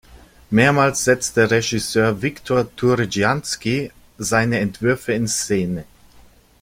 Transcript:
Mehrmals setzte Regisseur Viktor Tourjansky seine Entwürfe in Szene.